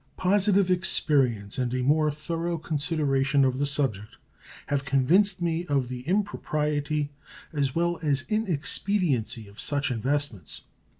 Positive experience and a more thorough consideration of the subject have convinced me of the impropriety as well as inexpediency of such investments.